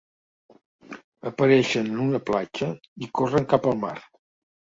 Apareixen en una platja i corren cap al mar.